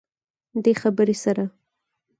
دې خبرې سره